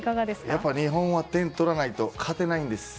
やっぱり日本は点を取らないと勝てないんです。